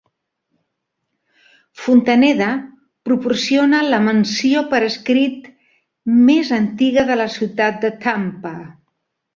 Fontaneda proporciona la menció per escrit més antiga de la ciutat de Tampa.